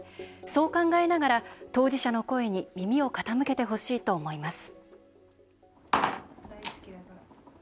そう考えながら、当事者の声に耳を傾けてほしいと思います。